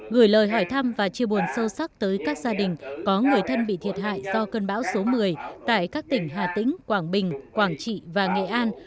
gửi lời hỏi thăm và chia buồn sâu sắc tới các gia đình có người thân bị thiệt hại do cơn bão số một mươi tại các tỉnh hà tĩnh quảng bình quảng trị và nghệ an